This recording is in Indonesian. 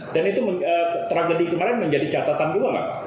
dan itu tragedi kemarin menjadi catatan luar gak